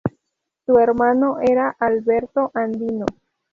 Su hermano era Alberto Andino.